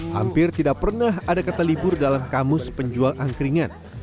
hampir tidak pernah ada kata libur dalam kamus penjual angkringan